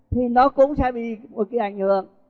thì nó cũng sẽ bị một cái ảnh hưởng